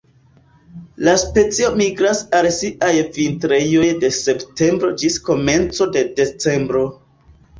La specio migras al siaj vintrejoj de septembro ĝis komenco de decembro.